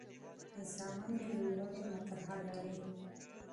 زامن یې لوړ منصبونه لري.